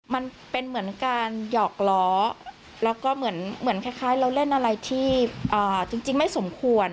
มันเป็นเหมือนการหยอกล้อแล้วก็เหมือนคล้ายเราเล่นอะไรที่จริงไม่สมควร